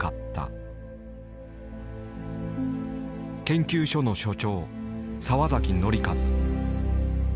研究所の所長澤崎憲一。